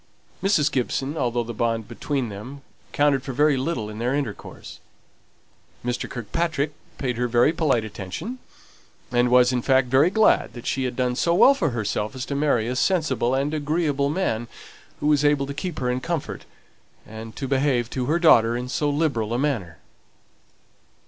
To Mrs. Gibson, although the bond between them counted for very little in their intercourse, Mr. Kirkpatrick paid very polite attention; and was, in fact, very glad that she had done so well for herself as to marry a sensible and agreeable man, who was able to keep her in comfort, and to behave to her daughter in so liberal a manner.